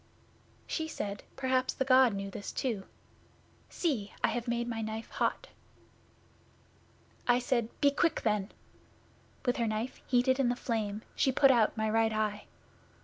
'She said, "Perhaps the God knew this too. See! I have made my knife hot." 'I said, "Be quick, then!" With her knife heated in the flame she put out my right eye.